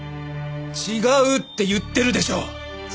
違うって言ってるでしょ！